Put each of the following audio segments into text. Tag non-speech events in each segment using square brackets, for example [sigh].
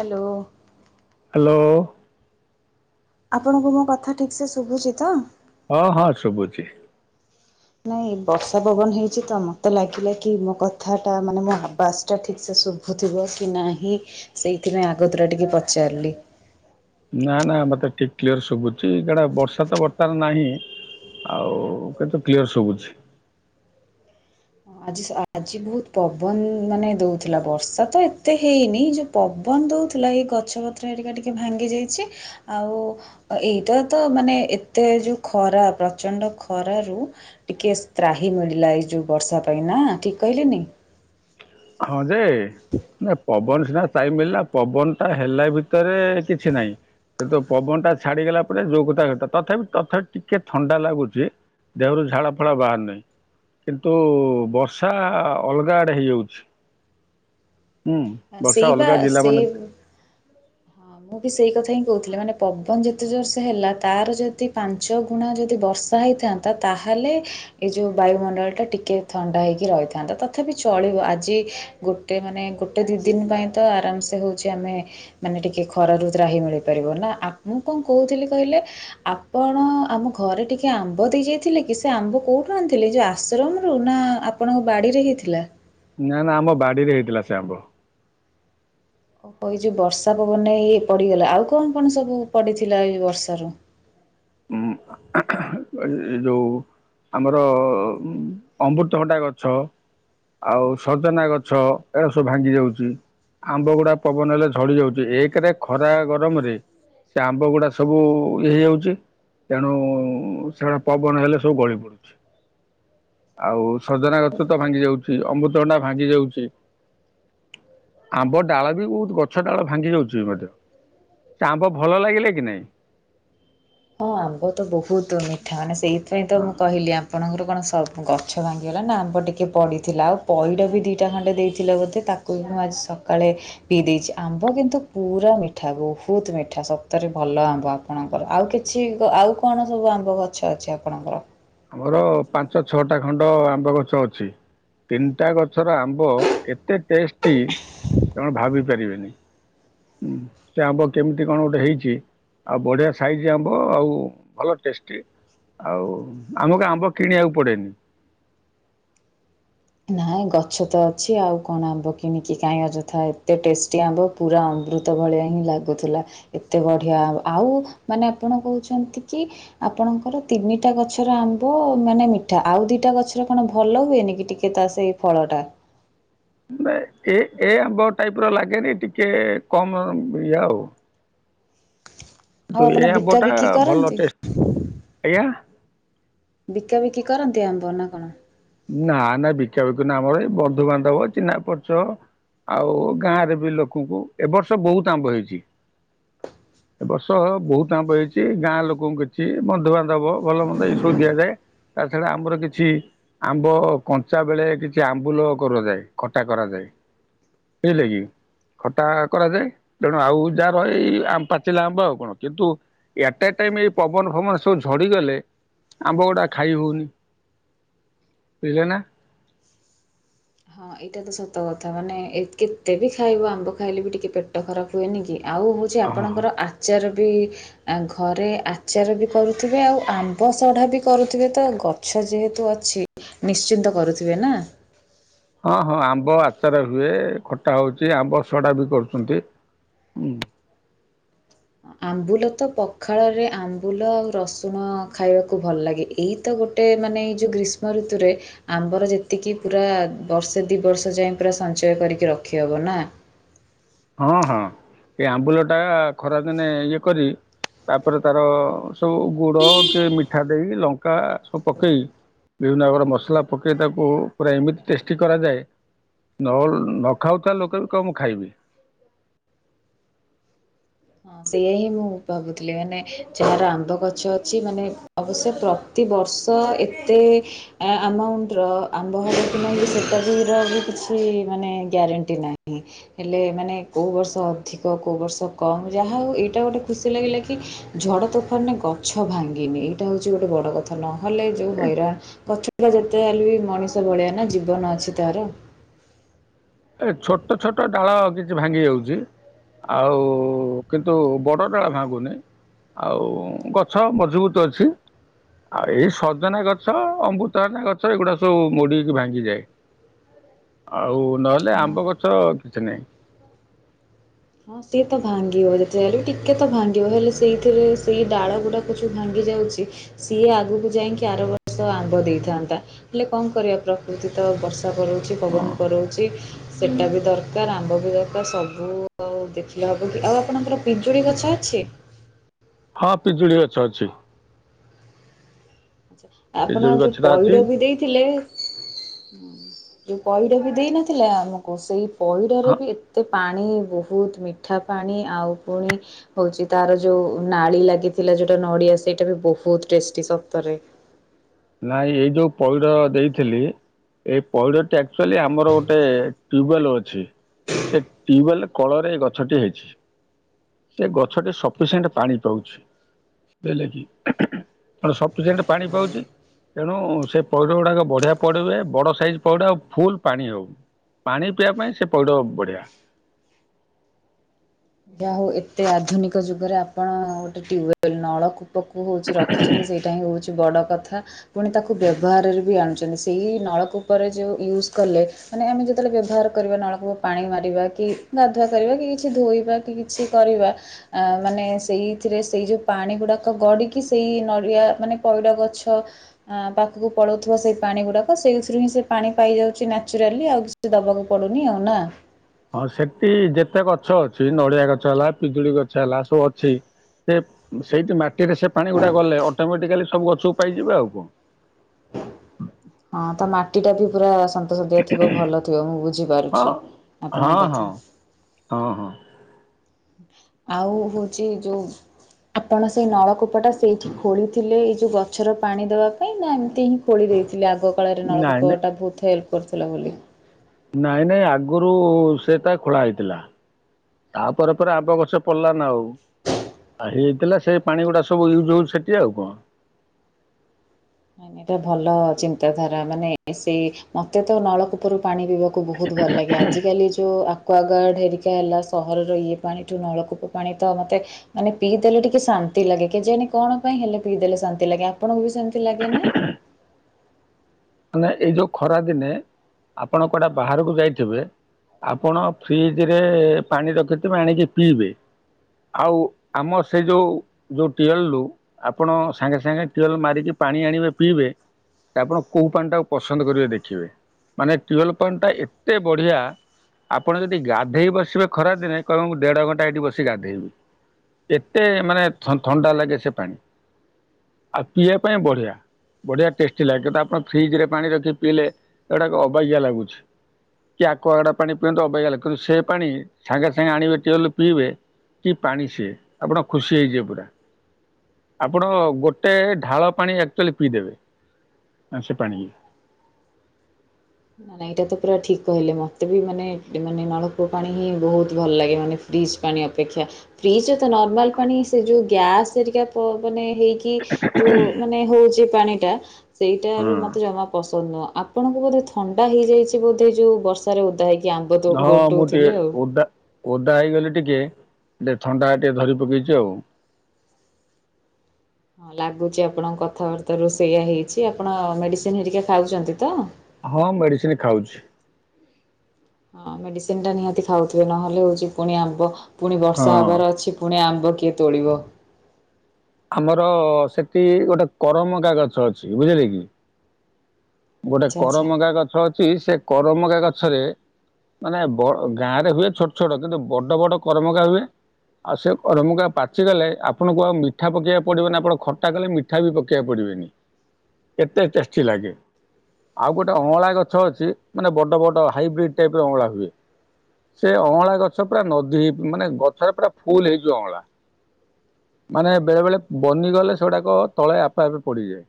Hello. Hello. ଆପଣଙ୍କୁ ମୋ କଥା ଠିକ୍ ସେ ଶୁଭୁଛି ତ? ହଁ ହଁ ଶୁଭୁଚି। ନାଇଁ ବର୍ଷା ପବନ ହେଇଛି ତ ମତେ ଲାଗିଲା କି ମୋ କଥା ଟା ମାନେ ମଁ ଆବାସ ଟା ଠିକ୍ ସେ ଶୁଭୁଥିବ କି ନାହିଁ ସେଇଥିପାଇଁ ଆଗ ତୁରା ଟିକେ ପଚାରିଲି। ନା ନା ମତେ ଠିକ କ୍ଲିୟର ଶୁଭୁଚି କାଡା ବର୍ଷା ତ ବର୍ତ୍ତମାନ ନାହିଁ। ଆଉ କିନ୍ତୁ କ୍ଲିୟର ଶୁଭୁଚି। ଆଜି ସ ଆଜି ବହୁତ ପବନ ମାନେ ଦଉଥିଲା ବର୍ଷା ତ ଏତେ ହେଇନି ଯୋଉ ପବନ ଦଉଥିଲା ଏଇ ଗଛପତ୍ର ହେରିକା ଟିକେ ଭାଙ୍ଗି ଯାଇଚି। ଆଉ ଏଇତ ତ ମାନେ ଏତେ ଯୋଉ ଖରା ପ୍ରଚଣ୍ଡ ଖରାରୁ ଟିକେ ତ୍ରାହି ମିଳିଲା ଏଇ ଯୋଉ ବର୍ଷା ପାଇଁ ନା ଠିକ୍ କହିଲିନି। ହଁ ଯେ ନା ପବନ ସିନା ତ୍ରାହି ମିଳିଲା ପବନଟା ହେଲା ଭିତରେ କିଛି ନାହିଁ। କିନ୍ତୁ ପବନ ଟା ଛାଡିଗଲା ପରେ ଯୋଉ କଥା କଥା ତଥାପି ତଥାପି ଟିକେ ଥଣ୍ଡା ଲାଗୁଚି। ଦେହରୁ ଝାଳ ଫାଳ ବାହାରୁ ନାହିଁ। କିନ୍ତୁ ବର୍ଷା ଅଲଗା ଆଡ଼େ ହେଇଯାଉଛି। ହୁଁ ବର୍ଷା ସେଇ ବା ଅଲଗା ଜିଲ୍ଲା ମାନେ ସେଇ ହଁ ମୁଁ ବି ସେଇ କଥା ହିଁ କହୁଥିଲି ମାନେ ପବନ ଯେତେ ଜୋର୍ଷ ହେଲା ତାର ଯଦି ପାଞ୍ଚ ଗୁଣା ଯଦି ବର୍ଷା ହେଇଥା ତ ତାହେଲେ ଏ ଯୋଉ ବାୟୁମଣ୍ଡଳ ଟା ଟିକେ ଥଣ୍ଡା ହେଇକି ରହିଥାନ୍ତା ତଥାପି ଚଳିବ ଆଜି ଗୋଟେ ମାନେ ଗୋଟେ ଦି ଦିନ ପାଇଁ ତ ଆରାମ ସେ ହେଉଚି ଆମେ ମାନେ ଟିକେ ଖରା ରୁ ତ୍ରାହି ମିଳିପାରିବ ନା ଆ ମୁଁ କଣ କହୁଥିଲି କହିଲେ ଆପଣ ଆମ ଘରେ ଟିକେ ଆମ୍ବ ଦେଇ ଯାଇଥିଲେ କି ସେ ଆମ୍ବ କୋଉଠୁ ଆଣିଥିଲେ ଯୋଉ ଆ ଆଶ୍ରମରୁ ନା ଆପଣଙ୍କ ବାଡ଼ିରେ ହିଁ ହେଇଥିଲା? ନା ନା ଆମ ବାଡିରେ ହେଇଥିଲା ସେ ଆମ୍ବ। ଏ ଯଉ ବର୍ଷା ପବନରେ ଇଏ ପଡିଗଲା ଆଉ କଣ କଣ ସବୁ ପଡିଥିଲା ଏ ବର୍ଷ ର? ଉଁ ଏ ଯୋଉ ଆମର ଅମୃତଭଣ୍ଡା ଗଛ। ଆଉ ସଜନା ଗଛ ଏରା ସବୁ ଭାଙ୍ଗି ଯାଉଚି। ଆମ୍ବ ଗୁଡା ପବନ ହେଲେ ଝଡି ଯାଉଚି ଏକରେ ଖରା ଗରମରେ ସେ ଆମ୍ବ ଗୁଡା ସବୁ ଇଏ ହେଇଯାଉଚି ତେଣୁ ସେଟା ପବନ ହେଲେ ସବୁ ଗଳି ପଡୁଚି ଆଉ ସଜନା ଗଛ ତ ଭାଙ୍ଗି ଯାଉଚି ଅମୃତ ଭଣ୍ଡା ଭାଙ୍ଗି ଯାଉଚି ଆମ୍ବ ଡାଳ ବି ବହୁତ ଗଛ ଡାଳ ଭାଙ୍ଗି ଯାଉଚି ମଧ୍ୟ। ସେ ଆମ୍ବ ଭଲ ଲାଗିଲେ କି ନାହିଁ? ହଁ ଆମ୍ବ ତ ବହୁତ ମିଠା ମାନେ ସେଇଥିପାଇଁ ତ ମୁଁ କହିଲି ଆମ ଆପଣଙ୍କର କଣ ସ ଗଛ ଭାଙ୍ଗିଗଲା ନା ଆମ୍ବ ଟିକେ ପଡ଼ିଥିଲା ଆଉ ପଇଡ଼ ବି ଦିଇଟା ଖଣ୍ଡେ ଦେଇଥିଲେ ବୋଧେ ତା କୁ ଉଁ ଆଜି ସକାଳେ ପିଇ ଦେଇଚି ଆମ୍ବ କିନ୍ତୁ ପୁରା ମିଠା ବହୁତ ମିଠା ସତରେ ଭଲ ଆମ୍ବ ଆପଣଙ୍କର ଆଉ କିଛି ତ ଆଉ କଣ ସବୁ ଆମ୍ବ ଗଛ ଅଛି ଆପଣଙ୍କର? ଆମର ପାଞ୍ଚ ଛଅଟା ଖଣ୍ଡ ଆମ୍ବ ଗଛ ଅଛି। ତିନିଟା ଗଛର ଆମ୍ବ ଏତେ ଟେଷ୍ଟି ଆପଣ ଭାବିପାରିବେନି। ହୁଁ ସେ ଆମ୍ବ କେମିତି କଣ ଗୋଟେ ହେଇଚି। ଆଉ ବଢିଆ ସାଇଜ୍ ଆମ୍ବ ଆଉ ଭଲ ଟେଷ୍ଟ। ଆଉ ଆମକୁ ଆମ୍ବ କିଣିବାକୁ ପଡେନି। ନାଇଁ ଗଛ ତ ଅଛି ଆଉ କଣ ଆମ୍ବ କିଣିକି କାହିଁ ଅଯଥା ଏତେ ଟେଷ୍ଟି ଆମ୍ବ ପୁରା ଅମୃତ ଭଳିଆ ହିଁ ଲାଗୁଥିଲା। ଏତେ ବଢିଆ ଆଉ ମାନେ ଆପଣ କହୁଛନ୍ତି କି ଆପଣଙ୍କର ତିନିଟା ଗଛର ଆମ୍ବ ମାନେ ମିଠା ଆଉ ଦିଟା ଗଛର କଣ ଭଲ ହୁଏନି କି ଟିକେ କେ ତା ସେଇ ଫଳଟା ମାନେ ଏ ଏ ଆମ୍ବ ଟାଇପିର ଲାଗେନି ଟିକେ କମ୍ ଇଏ ଆଉ ଆଉ କିନ୍ତୁ ଆପଣ ଏ ବିକା ଆମ୍ବଟା ବିକି ଭଲ କରନ୍ତି ଟେଷ୍ଟ ଆଜ୍ଞା। ବିକା ବିକି କରନ୍ତି ଆମ୍ବ ନା କଣ? ନା ନା ବିକା ବିକି ନା ଆମର ଏଇ ବନ୍ଧୁବାନ୍ଧବ ଚିହ୍ନା ପରିଚୟ ଆଉ ଗାଁରେ ବି ଲୋକଙ୍କୁ ଏବର୍ଷ ବହୁତ ଆମ୍ବ ହେଇଛି। ଏବର୍ଷ ବହୁତ ଆମ୍ବ ହେଇଛି ଗାଁ ଲୋକଙ୍କୁ କିଛି ବନ୍ଧୁବାନ୍ଧବ ଦବ ଭଲ ମନ୍ଦ ଏ ସବୁ ଦିଆଯାଏ ତା ଛଡା ଆମର କିଛି ଆମ୍ବ କଞ୍ଚା ବେଳେ କିଛି ଆମ୍ବୁଲ କରାଯାଏ ଖଟା କରାଯାଏ। ବୁଝେଲେ କିି? ଖଟା କରାଯାଏ ତେଣୁ ଆଉ ଯାହା ରହେ ଏଇ ପାଚିଲା ଆମ୍ବ ଆଉ କଣ କିନ୍ତୁ ୟାଟା ଟାଇମ୍ ଏଇ ପବନ ଫବନ ସବୁ ଝଡ଼ିଗଲେ ଆମ୍ବ ଗୁଡା ଖାଇ ହଉନି। ବୁଝିଲେ ନା। ହଁ ଏ ଏଟା ସତ କଥା ମାନେ ଏତେ କେତେ ବି ଖାଇବ ଆମ୍ବ ଖାଇଲେ ବି ଟିକେ ପେଟ ଖରାପ ହୁଏନି କି ଆଉ ଛି ହଁ ହଁ ଆପଣଙ୍କର ଆଚାର ବି ଆ ଘରେ ଆଚାର ବି କରୁଥିବେ ଆଉ ଆମ୍ବ ସଢା ବି କରୁଥିବେ ତ ଗ ଗଛ ଯେହେତୁ ଅଛି ନିଶ୍ଚିନ୍ତ କରୁଥିବେ ନା? ହଁ ହଁ ଆମ୍ବ ଆଚାର ହୁଏ ଖଟା ହଉଛି ଆମ୍ବ ସଡ଼ା ବି କରୁଛନ୍ତି ହୁଁ। ଆମ୍ବୁଲ ତ ପଖାଳରେ ଆମ୍ବୁଲ ଆଉ ରସୁଣ ଖାଇବାକୁ ଭଲ ଲାଗେ ଏଇ ତ ଗୋ ଗୋଟେ ମାନେ ଏଇ ଯଉ ଗ୍ରୀଷ୍ମ ଋତୁରେ ଆମ୍ବର ଯେତିକି ପୁରା ବର୍ଷେ ଦି ବର୍ଷ ଯାଏ ପୁରା ସଞ୍ଚୟ କରିକି ରଖିହବ ନା? ହଁ ହଁ ଏ ଆମ୍ବୁଲ ଟା ଖରାଦିନେ ଇଏ କରି ତାପରେ ତାର ସବୁ ଗୁଡ଼ କି ମିଠା ଦେଇ ଲ ଙ୍କା ସବୁ ପକାଇ ବିଭିନ୍ନ ପ୍ରକାର ମସଲା ପକାଇ ତାକୁ ପୁରା ଏମିତି ଟେଷ୍ଟି କରାଯାଏ ନ ନ ଖାଉଥିବା ଲୋକ ବି କହିବ ମୁଁ ଖାଇବି। ହଁ ସେଇୟା ହିଁ ମୁଁ ଭାବୁଥିଲି ମାନେ ଯହାର ଆମ୍ବ ଗଛ ଅଛି ମାନେ ଅବଶ୍ୟ ପ୍ର ତି ବର୍ଷ ଏତେ ଆମାଉଣ୍ଟର ଆମ୍ବ ହବ ବି କିଛି ମାନେ ଗ୍ୟାରେଣ୍ଟି ନାହିଁ। ହେଲେ ମାନେ କେଉଁ ବର୍ଷ ଅଧିକ କେଉଁ ବର୍ଷ କମ ଯାହା ହଉ ଏଇଟା ଗୋଟେ ଖୁସି ଲାଗିଲା କି ଝଡ଼ ତୋଫାନରେେ ଗଛ ଭାଙ୍ଗିନି ଏଇଟା ହେଉଛି ଗୋଟେ ବଡ଼ କଥା ନହେଲେ ଯେଉଁ ଏ ହଇରାଣ ଗଛ ପୁରା ଯେତେ ହେଲେ ବି ମଣିଷ ଭଳିଆ ନା ଜୀବନ ଅଛି ତାର। ଏ ଛୋଟ ଛୋଟ ଡାଳ କିଛି ଭାଙ୍ଗି ଯାଉଛି। ଆଉ କିନ୍ତୁ ବଡଡାଳ ଭାଙ୍ଗୁନି। ଆଉ ଗଛ ମଜବୁତ ଅଛି। ଆଉ ଏଇ ସଜନା ଗଛ ଅମୃତଭଣ୍ଡା ଗଛ ଏଗୁଡା ସବୁ ମୋଡ଼ିହେଇକି ଭାଙ୍ଗିଯାଏ। ଆଉ ନହେଲେ ଆମ୍ବ ଗଛ କିଛି ନାହିଁ। ହଁ ସିଏ ତ ଭାଙ୍ଗିବ ଯେତେ ହେଲେବି ଟିକେ ତ ଭାଙ୍ଗିବ ହେଲେ ସେଇଥିରେ ସେଇ ଡାଳ ଗୁଡା ଯୋଉ ଭାଙ୍ଗି ଯାଉଛି ସିଏ ଆଗକୁ ଯାଇଁକି ଆର ବର୍ଷ ଆମ୍ବ ଦେଇଥାନ୍ତା ହେଲେ କଣ କରିବା ପ୍ର କୃତିତ ବର୍ଷା କରଉଛି ହଁ ପବନ କରଉଛି। ସେଟା ବି ଦରକାର ଆମ୍ବ ବି ଦରକାର ସବୁ ହଉ ଦେଖିଲେ ହବ କି ଆଉ ଆପଣଙ୍କର ପିଜୁଳି ଗଛ ଅଛି? ହଁ ପିଜୁଳି ଗଛ ଅଛି। ଆପଣ ପିଜୁଳି ଯୋଉ ଗଛଟା ଅଛି ପଇଡ ବି ଦେଇଥିଲେ ଯୋଉ ପଇଡ଼ ବି ଦେଇ ନଥିଲେ ଆମକୁ ସେଇ ପଇଡ଼ରେ ହଁ ବି ଏତେ ପାଣି ବହୁତ ମିଠା ପାଣି ଆଉ ପୁଣି ହଉଚି ତାର ଯୋଉ ନାଳି ଲାଗିଥିଲା ଯୋଉଟା ନଡିଆ ସେଇଟା ବି ବହୁତ ଟେଷ୍ଟି ସତରେ। ନାଇଁ ଏଇ ଯୋଉ ପଇଡ଼ ଦେଇଥିଲି ଏଇ ପଇଡ଼ଟି ଆକ୍ଚୁଆଲି ଆମର ଗୋଟେ ଟ୍ୟୁବୱେଲ ଅଛି। ସେ ଟ୍ୟୁବୱେଲ କଳରେ ଏଇ ଗଛଟି ହେଇଚି। ସେ ଗଛଟି ସଫିସେଣ୍ଟ ପାଣି ପାଉଚି। ହେଲେ କି କଣ ସଫିସେଣ୍ଟ ପାଣି ପାଉଚି ତେଣୁ ସେ ପଇଡ଼ ଗୁଡାକ ବଢିଆ ପଇଡ଼ ହୁଏ ବଡ ସାଇଜ ପଇଡ଼ ଆଉ ଫୁଲ ପାଣି ହେଉ। ପାଣି ପିଇବା ପାଇଁ ସେ ପଇଡ଼ ବଢିଆ। ଯାହା ହଉ ଏତେ ଆଧୁନିକ ଯୁଗରେ ଆପଣ ଗୋଟେ ଟ୍ୟୁବୱେଲ ନଳ କୁ ପକୁ ହେଉଚି ରଖିଚନ୍ତି ସେଇଟା ହିଁ ହେଉଚି ବଡ଼ କଥା। ପୁଣି ତାକୁ ବ୍ୟବହାରରେ ବି ଆଣୁଛନ୍ତି ସେଇ ନଳକୂପରେ ଯୋଉ ୟୁଜ୍ କଲେ ମାନେ ଆମେ ଯେତେବେଳେ ବ୍ୟବହାର କରିବା ନଳକୂପ ପାଣି ମାରିବା କି ଗାଧୁଆ କରିବା କି କିଛି ଧୋଇବା କି କିଛି କରିବା ଆ ମାନେ ସେଇଥିରେ ସେଇ ଯୋଉ ପାଣି ଗୁଡାକ ଗଡିକି ସେଇ ନଡ଼ିଆ ମାନେ ପଇଡ଼ ଗଛ ଆ ପାଖକୁ ପଳଉଥିବ ସେଇ ପାଣି ଗୁଡ଼ାକ ସେଇଥିରୁ ହିଁ ସେ ପାଣି ପାଇ ଯାଉଚି ନ୍ୟାଚୁରାଲି ଆଉ କିଚି ଦବାକୁ ପଡ଼ୁନି ଆଉ। ନା? ହଁ ସେଠି ଯେତେ ଗଛ ଅଛି ନଡିଆ ଗଛ ହେଲା ପିଜୁଳି ଗଛ ହେଲା ସବୁ ଅଛି ସେ ସେଇଠି ମାଟିରେ ସେ ପାଣି ଗୁଡା ଗଲେ ଅଟୋମେଟିକାଲି ସବୁ ଗଛକୁ ପାଇଯିବେ ଆଉ କଣ। ହଁ ତା ମାଟି ଟା ବି ପୁରା ସନ୍ତ ସନ୍ତିଆ ଥିବ ଭଲ ଥିବ ମୁଁ ହଁ। ବୁଝିପାରୁଛି ହଁ ଆପଣଙ୍କ ହଁ କଥା। ହଁ ହଁ। ଆଉ ହୋଉଚି ଯୋଉ ଆପଣ ସେଇ ନଳକୂପଟା ସେଇଠି ଖୋଳିଥିଲେ ଏଇ ଯୋଉ ଗଛରେ ପାଣି ଦେବା ପାଇଁ ନା ଏମିତି ହିଁ ଖୋଳି ଦେଇଥିଲେ ଆଗ କାଳରେ ନାଇଁ ନାଇଁ ନଳକୂପଟା ବହୁତ ହେଲ୍ପ କରୁଥିଲା ବୋଲି। ନାଇଁ ନାଇଁ ଆଗରୁ ସେ ତା ଖୋଳା ହେଇଥିଲା। ତାପରେ ପରେ ଆମ୍ୱ ଗଛ ଫଳିଲା ନା ଆଉ। ଆଉ ହେଇଥିଲା ସେଇ ପାଣି ଗୁଡା ସବୁ ୟୁଜ୍ ହଉଛି ସେଠି ଆଉ କଣ। ନାଇ ଏଇଟା ଭଲ ଚିନ୍ତାଧାରା ମାନେ ସେଇ ମତେ ତ ନଳକୂପରୁ ପାଣି ପିଇବାକୁ କୁ ବହୁତ ଭଲ ଲାଗେ। ଆଜିକାଲି ଯୋଉ ଆକୁୱାଗାର୍ଡ଼ ହେରିକା ହେଲା ସହରର ଇଏ ପାଣିଠୁ ନଳକୂପ ପାଣି ତ ମୋତେ ମାନେ ପିଇ ଦେଲେ ଟିକେ ଶାନ୍ତି ଲାଗେ କେଜାଣି କଣ ପାଇଁ ହେଲେ ପିଇ ଦେଲେ ଶାନ୍ତି ଲାଗେ ଆପଣଙ୍କୁ ବି ସେମିତି ଲାଗେ ନା? ମାନେ ଏଇ ଯୋଉ ଖରା ଦିନେ ଆପଣ କୁଆଡେ ବାହାରକୁ ଯାଇଥିବେ ଆପଣ ଫ୍ରିଜରେ ପାଣି ରଖିଥିବେ ଆଣିକି ପିଇବେ। ଆଉ ଆମ ସେ ଯୋଉ ଯୋଉ ଟିଅଲ ରୁ ଆପଣ ସାଙ୍ଗେ ସାଙ୍ଗେ ଟିଅଲ ମାରିକି ପାଣି ଆଣିବେ ପିଇବେ ତ ଆପଣ କକୋଉ ପାନଟାକୁ ପସନ୍ଦ କରିବେ ଦେଖିବେ। ମାନେ ଟ୍ୟୁଏଲ ପାନଟା ଏତେ ବଢ଼ିଆ ଆପଣ ଯଦି ଗାଧୋଇ ବସିବେ ଖରା ଦିନେ କହିବେ ମୁଁ ଦେଢ ଘଣ୍ଟା ଏଇଠି ବସି ଗାଧୋଇବି। ଏତେ ମାନେ ଥଣ୍ଡା ଲାଗେ ସେ ପାଣି। ଆଉ ପିଇବା ପାଇଁ ବଢିଆ ବଢିଆ ଟେଷ୍ଟି ଲାଗେ ତ ଆପଣ ଫ୍ରିଜ ରେ ପାଣି ରଖି ପିଇଲେ ଏଗୁଡ଼ାକ ଅବାଗିଆ ଲାଗୁଚି। କି ଆକୁଆଗାଡ ପାଣି ପିଅନ୍ତୁ ଅବାଗିଆଲା କିନ୍ତୁ ସେ ପାଣି ସାଙ୍ଗେ ସାଙ୍ଗେ ଆଣିବେ ଟିଅଲ ରୁ ପିଇବେ କି ପାଣି ସିଏ ଆପଣ ଖୁସି ହେଇଯିବେ ପୁରା। ଆପଣ ଗୋଟେ ଢାଳ ପାଣି ଆକ୍ଚୁଆଲି ପିଇଦେବେ। ଆ ସେ ପାଣି। ନା ନା ଏଇଟା ତ ପୁରା ଠିକ୍ କହିଲେ ମତେ ବି ମାନେ ମାନେ ନଳକୂଅ ପାଣି ହିଁ ବହୁତ ଭଲ ଲାଗେ ମାନେ ଫ୍ରିଜ୍ ପାଣି ଅପେକ୍ଷା ଫ୍ରିଜ୍ର ତ ନର୍ମାଲ୍ ପାଣି ସେ ଯଉ ଗ୍ୟାସ୍ ହେରିକା ପ ମାନେ ହେଇକି ଯୋଉ ମାନେ ହଉଛି ପାଣି ଟା ହଁ ସେଇଟାାରୁ ମତେ ଜମା ପସ ନ୍ଦ ନୁହ ଆପଣଙ୍କୁ ବୋଧେ ଥଣ୍ଡା ହେଇଯାଇଛି ବୋଧେ ଯୋଉ ବର୍ଷାରେ ଓଦା ହେଇକି? ଆମ୍ବ ତ ନହ ମୁ ଗୋଟଉଥିଲେ ଟିକେ ଆଉ। ଓଦା ଓଦା ହେଇଗଲି ଟିକେ ଯେ ଥଣ୍ଡା ଟିକେ ଧରି ପକେଇଛି ଆଉ। ହଁ ଲାଗୁଛି ଆପଣଙ୍କ କଥାବାର୍ତ୍ତା ରୁ ଷେଇଆ ହେଇଛି ଆପଣ ମେଡିସିନ ହେରିକା ଖାଉଛନ୍ତି ତ? ହଁ ମେଡିସିନ ଖାଉଛି। ହଁ ମେଡିସିନ ଟା ନିହାତି ଖାଉଥିବେ ନହେଲେ ହଉଛି ପୁଣି ଆମ୍ବ ପୁଣି ବର୍ଷା ହଁ। ହବାର ଅଛି ପୁଣି ଆମ୍ବ କିଏ ତୋଳିବ? ଆମର ସେଠି ଗୋଟେ କରମଙ୍ଗା ଗଛ ଅଛି ବୁଝିଲେ କି? ଗୋଟେ ଆଚ୍ଛା ଆଚ୍ଛା। କରମଗା ଗଛ ଅଛି ସେ କରମଗା ଗଛରେ ମାନେ ବ ଗାଁ ରେ ହୁଏ ଛୋଟ ଛୋଟ କିନ୍ତୁ ବଡ ବଡ କର୍ମଗା ହୁଏ। ଆଉ ସେ କରମଙ୍ଗା ପାଚିଗଲେ ଆପଣଙ୍କୁ ଆଉ ମିଠା ପକେଇବାକୁ ପଡ଼ିବନି ଆପଣ ଖଟା କଲେ ମି ଠା ବି ପକେଇବାକୁ ପଡ଼ିବେନି କେତେ ଚେଷ୍ଠି ଲାଗେ। ଆଉ ଗୋଟେ ଅଁଳା ଗଛ ଅଛି ମାନେ ବଡ ବଡ ହାଇବ୍ରିଡ଼୍ ଟାଇପ୍ ର ଅଁଳା ହୁଏ। ସେ ଅଁଳା ଗଛ ପୁରା ନଦୀ ହେଇ ମାନେ ଗଛରେ ପୁରା ଫୁଲ ହେଇଯିବ ଅଁଳା। ମାନେ ବେଳେ ବେଳେ ବନିଗଲେ ସେଗୁଡ଼ାକ ତଳେ ଆପେ ଆପେ ପଡ଼ିଯାଏ।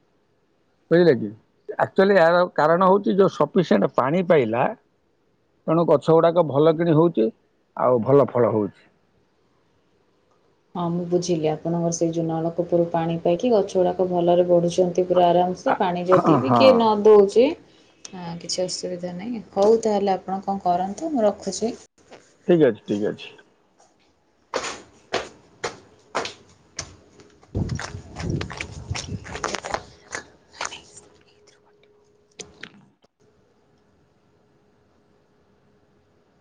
[unintelligible] କି? ଆକ୍ଚୁଆଲି ଏହାର କାରଣ ହଉଛି ଯଉ ସଫିସିଏଣ୍ଟ ପାଣି ପାଇଲା ତେଣୁ ଗଛ ଗୁଡ଼ାକ ଭଲ କିଣି ହଉଛି ଆଉ ଭଲ ଫଳ ହଉଛି। ହଁ ମୁଁ ବୁଝିଲି ଆପଣଙ୍କର ସେଇ ଯୋଉ ନଳକୂପରୁ ପାଣି ପାଇକି ଗଛ ଗୁରାକ ଭଲରେ ବଢ଼ୁଛନ୍ତି ପୁରା ଆରାମ ସେ ପାଣି ଯଦି ବି ହଁ କିଏ ନ ଦଉଛି ହଁ କିଛି ଅସୁବିଧା ନାହିଁ ହଉ ତାହେଲେ ଆପଣ କଣ କରନ୍ତୁ ମୁଁ ରଖୁଛି। ଠିକ୍ ଅଛି ଠିକ୍ ଅଛି।